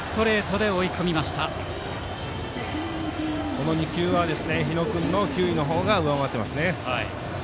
今の２球は日野君の球威が上回っていますね。